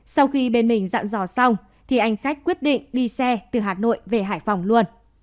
sau khi bên mình dặn dò xong thì anh khách quyết định đi xe từ hà nội về hải phòng luôn